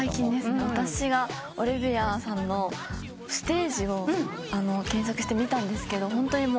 私がオリヴィアさんのステージを検索して見たんですけどホントにもう。